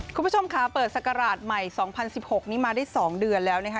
คุณผู้ชมค่ะเปิดศักราชใหม่๒๐๑๖นี้มาได้๒เดือนแล้วนะคะ